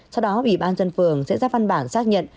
sau đó ủy ban dân phường sẽ ra văn bản xác nhận